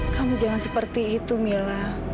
kamu jangan seperti itu mila